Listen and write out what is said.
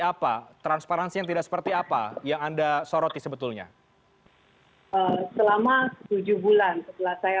apa transparansi yang tidak seperti apa yang anda soroti sebetulnya selama tujuh bulan setelah saya